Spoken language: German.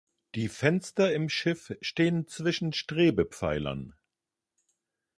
Die Fenster im Schiff stehen zwischen Strebepfeilern.